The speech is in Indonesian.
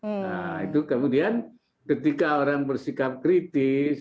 nah itu kemudian ketika orang bersikap kritis